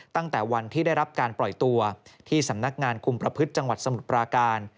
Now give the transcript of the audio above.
ตั้งแต่วันที่ได้รับการปล่อยตัวที่สำนักงานคุมประพฤติจังหวัดสมุทรปราการ